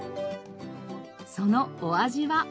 そのお味は。